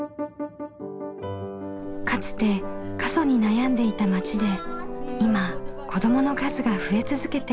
かつて過疎に悩んでいた町で今子どもの数が増え続けています。